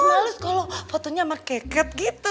malas kalo fotonya sama keket gitu